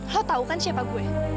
lo tau kan siapa gue